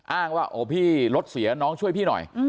อ้างว่าโอ้พี่รถเสียน้องช่วยพี่หน่อย